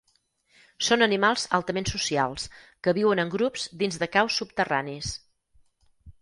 Són animals altament socials que viuen en grups dins de caus subterranis.